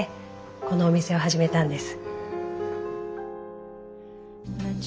このお店を始めたんです。